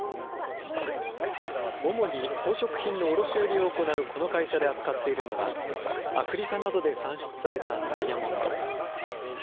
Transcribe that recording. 主に宝飾品の卸売りを行うこの会社で扱っているのは、アフリカなどで産出されたダイヤモンド。